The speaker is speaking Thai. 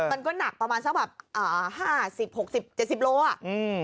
มันก็หนักประมาณสัก๕๐๗๐โลก